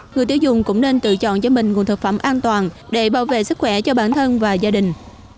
người tiêu dùng cũng nên tự chọn cho mình nguồn thực phẩm an toàn để bảo vệ sức khỏe cho bản thân và gia đình